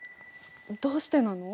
どうしてなの？